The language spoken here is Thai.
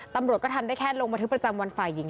ตำรวจก็ทำได้แค่ลงบันทึกประจำวันฝ่ายหญิง